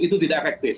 itu tidak efektif